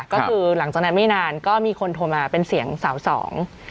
ก็คือหลังจากนั้นไม่นานก็มีคนโทรมาเป็นเสียงสาวสอง